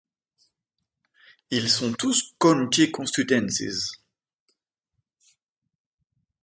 Ils sont tous County constituencies.